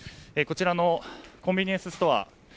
こちらのコンビニエンスストア